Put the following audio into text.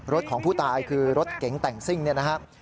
ของผู้ตายคือรถเก๋งแต่งซิ่งเนี่ยนะครับ